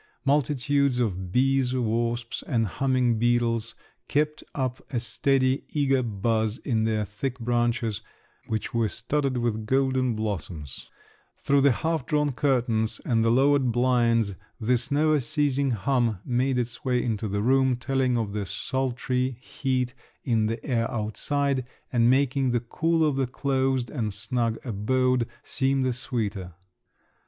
Multitudes of bees, wasps, and humming beetles kept up a steady, eager buzz in their thick branches, which were studded with golden blossoms; through the half drawn curtains and the lowered blinds this never ceasing hum made its way into the room, telling of the sultry heat in the air outside, and making the cool of the closed and snug abode seem the sweeter.